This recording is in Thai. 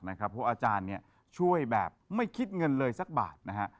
เพราะอาจารย์ช่วยแบบไม่คิดเงินเลยสักบาทนะฮะ